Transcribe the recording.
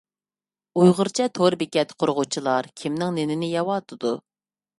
ئۇيغۇرچە تور بېكەت قۇرغۇچىلار كىمنىڭ نېنىنى يەۋاتىدۇ؟